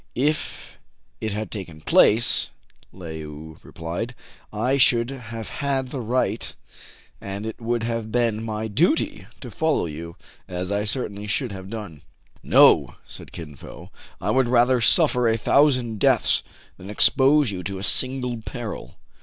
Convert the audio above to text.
" If it had taken place," Le ou replied, " I should have had the right, and it would have been my duty, to follow you, as I certainly should have done." " No," said Kin Fo :" I would rather suffer a thousand deaths than expose you to a single peril.